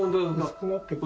薄くなってくる。